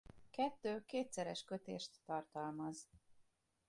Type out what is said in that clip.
Kettő kétszeres kötést tartalmaz.